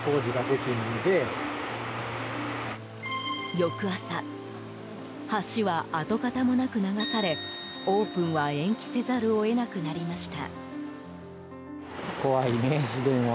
翌朝、橋は跡形もなく流されオープンは延期せざるを得なくなりました。